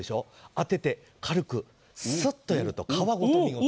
当てて、軽くスッとやると皮ごとお見事。